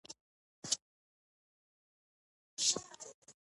څلوېښت لکه به نجیب الدوله ورکړي.